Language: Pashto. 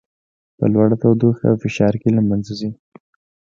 په لوړه تودوخې او فشار کې له منځه ځي.